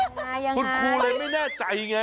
คุณครูเลยไม่แน่ใจไง